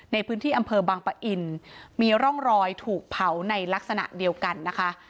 ในพื้นที่อำเภอบางปะอินมีร่องรอยถูกเผาในลักษณะเดียวกันนะคะ